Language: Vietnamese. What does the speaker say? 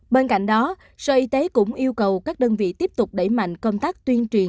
bên cạnh đó sở y tế cũng yêu cầu các đơn vị tiếp tục đẩy mạnh công tác tuyên truyền